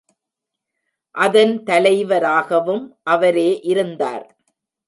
அதன் தலைவராகவும் அவரே இருந்தார்.